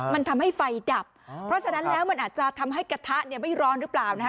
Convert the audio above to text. มันทำให้ไฟดับเพราะฉะนั้นแล้วมันอาจจะทำให้กระทะเนี่ยไม่ร้อนหรือเปล่านะฮะ